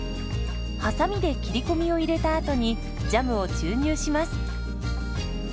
はさみで切り込みを入れたあとにジャムを注入します。